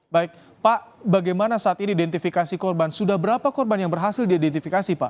baik pak bagaimana saat ini identifikasi korban sudah berapa korban yang berhasil diidentifikasi pak